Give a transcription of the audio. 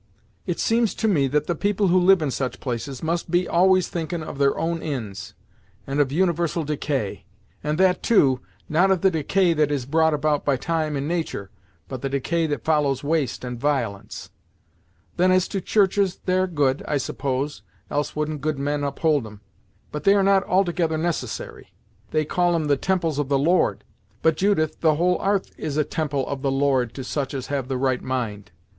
It seems to me that the people who live in such places must be always thinkin' of their own inds, and of universal decay; and that, too, not of the decay that is brought about by time and natur', but the decay that follows waste and violence. Then as to churches, they are good, I suppose, else wouldn't good men uphold 'em. But they are not altogether necessary. They call 'em the temples of the Lord; but, Judith, the whole 'arth is a temple of the Lord to such as have the right mind.